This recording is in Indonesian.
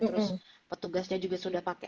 terus petugasnya juga sudah pakai